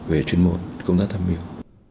về chuyên môn công tác tham mưu